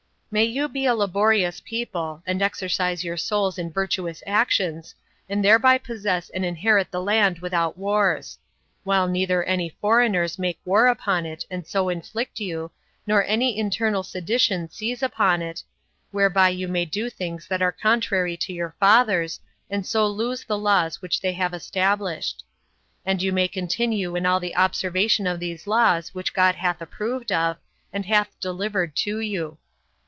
May you be a laborious people, and exercise your souls in virtuous actions, and thereby possess and inherit the land without wars; while neither any foreigners make war upon it, and so afflict you, nor any internal sedition seize upon it, whereby you may do things that are contrary to your fathers, and so lose the laws which they have established. And may you continue in the observation of those laws which God hath approved of, and hath delivered to you.